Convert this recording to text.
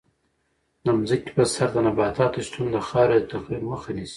د ځمکې په سر د نباتاتو شتون د خاورې د تخریب مخه نیسي.